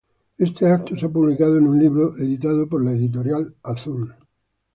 Este acto se ha publicado en un libro, editado por la Editorial Azul.